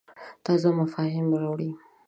تازه مفاهیم راوړې.